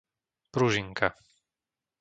Pružinka